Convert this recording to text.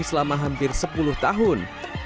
selama hampir sepuluh tahun